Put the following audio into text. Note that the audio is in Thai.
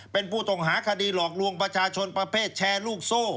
เป็นผู้ต้องหาคดีหลอกลวงประชาชนประเภทแชร์ลูกโซ่